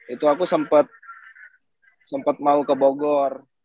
itu aku sempet sempet mau ke bogor